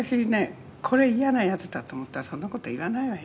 これ嫌なヤツだと思ったらそんな事言わないわよ」